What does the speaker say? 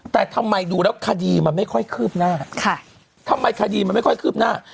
แต่ทำไมดูแล้วคดีมันไม่ค่อยคืบหน้าทำไมคดีมันไม่ค่อยคืบหน้า